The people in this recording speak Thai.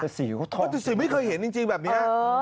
แต่สีก็ทองนี้แต่สีไม่เคยเห็นจริงแบบนี้